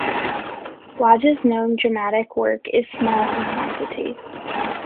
Lodge's known dramatic work is small in quantity.